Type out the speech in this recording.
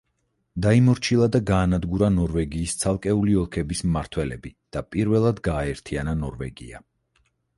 დაიმორჩილა და გაანადგურა ნორვეგიის ცალკეული ოლქების მმართველები და პირველად გააერთიანა ნორვეგია.